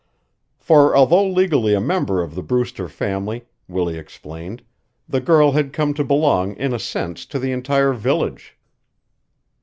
For although legally a member of the Brewster family, Willie explained, the girl had come to belong in a sense to the entire village.